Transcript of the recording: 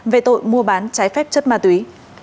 về tội mua bán trái phép chất ma túy